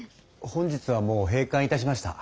本日はもう閉館いたしました。